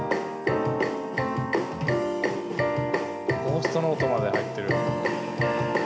ゴーストノートまで入ってる。